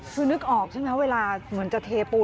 คือนึกออกใช่ไหมเวลาเหมือนจะเทปูน